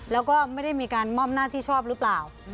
แล้วก็ไม่ได้มีการมอบหน้าที่ชอบหรือเปล่า